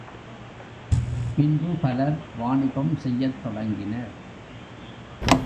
பின்பு பலர் வாணிபம் செய்யத் தொடங்கினர்.